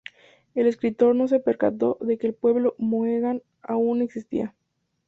El escritor no se percató de que el pueblo "mohegan" aún existía.